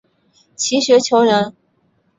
齐学裘人。